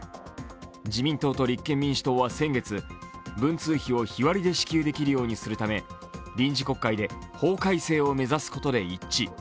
自民党と立憲民主党は先月、文通費を日割りで支給できるようにするため臨時国会で法改正を目指すことで一致。